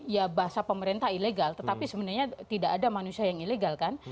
ya bahasa pemerintah ilegal tetapi sebenarnya tidak ada manusia yang ilegal kan